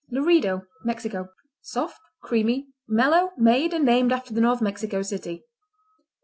Laredo Mexico Soft; creamy; mellow, made and named after the North Mexico city.